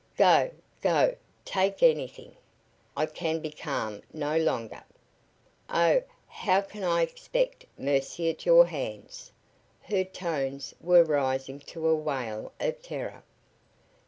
"Go! Go! Take anything! I can be calm no longer. Oh, how can I expect mercy at your hands!" Her tones were rising to a wail of terror.